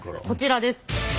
こちらです。